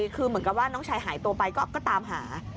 คือเหมือนกับว่าน้องชายหายตัวไปก็ตามหา